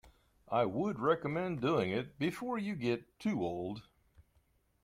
I would recommend doing it before you get too old.